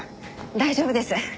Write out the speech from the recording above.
大丈夫です。